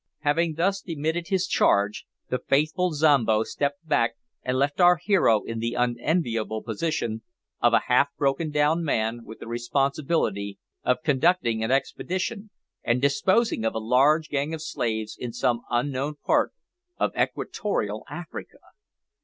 Having thus demitted his charge, the faithful Zombo stepped back and left our hero in the unenviable position of a half broken down man with the responsibility of conducting an expedition, and disposing of a large gang of slaves in some unknown part of equatorial Africa!